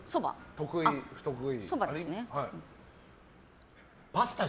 得意、不得意。